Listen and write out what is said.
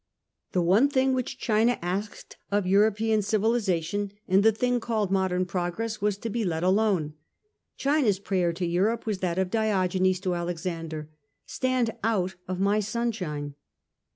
The one thing which China asked of European civilisation and the thing called Modem Progress was to be let alone. China's prayer to Europe was that of Diogenes to Alexander — 1 stand out of my sunshine.